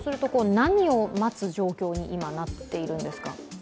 何を待つ状況に今なっているんですか？